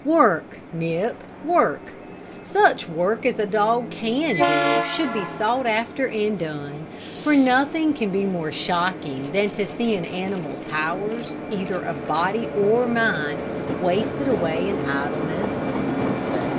Work, Nip, work; such work as a dog can do should be sought after and done, for nothing can be more shocking than to see an animal's powers, either of body or mind, wasted away in idleness."